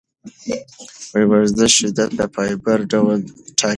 د ورزش شدت د فایبر ډول ټاکي.